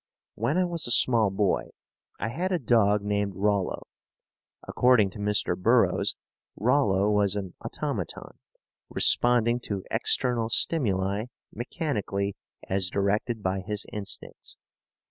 When I was a small boy I had a dog named Rollo. According to Mr. Burroughs, Rollo was an automaton, responding to external stimuli mechanically as directed by his instincts.